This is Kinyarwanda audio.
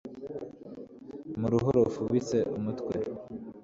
mu ruhu rufubitse umutwe